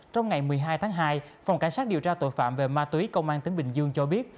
trong ngày một mươi hai tháng hai phòng cảnh sát điều tra tội phạm về ma túy công an tỉnh bình dương cho biết